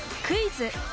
クイズ